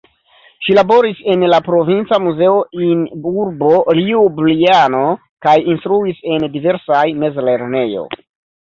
Ŝi laboris en la provinca muzeo in urbo Ljubljano kaj instruis en diversaj mezlernejo.